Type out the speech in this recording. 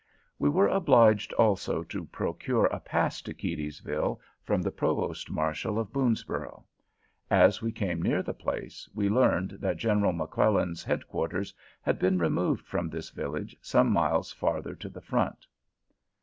We were obliged also to procure a pass to Keedysville from the Provost Marshal of Boonsborough. As we came near the place, we learned that General McClellan's head quarters had been removed from this village some miles farther to the front.